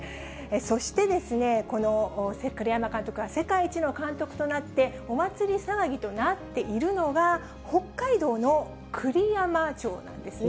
そしてですね、この栗山監督が世界一の監督となって、お祭り騒ぎとなっているのが、北海道の栗山町なんですね。